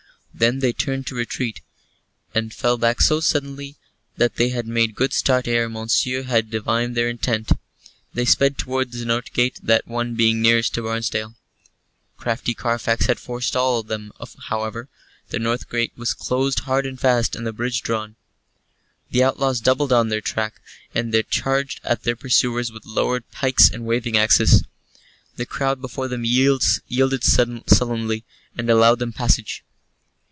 Then they turned to retreat, and fell back so suddenly that they had made good start ere Monceux had divined their intent. They sped towards the north gate, that one being nearest to Barnesdale. Crafty Carfax had forestalled them, however. The north gate was closed hard and fast, and the bridge drawn. The outlaws doubled on their track and charged at their pursuers with lowered pikes and waving axes. The crowd before them yielded sullenly and allowed them passage.